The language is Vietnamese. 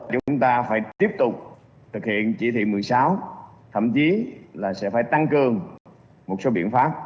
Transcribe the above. chúng ta phải tiếp tục thực hiện chỉ thị một mươi sáu thậm chí là sẽ phải tăng cường một số biện pháp